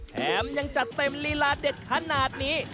แถมยังจัดเต็มลีลาเด็ดขนาดนี้